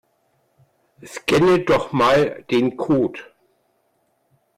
Scanne doch mal den Code.